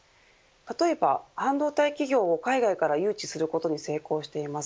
例えば半導体企業を海外から誘致することに成功しています。